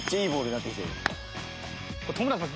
戸村さん